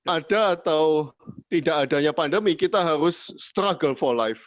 ada atau tidak adanya pandemi kita harus struggle for life